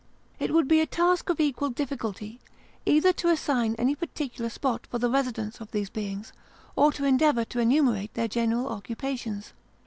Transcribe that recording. It would be a task of equal difficulty, either to assign any particular spot for the residence of these beings, or to endeavour to enumerate their general occupations.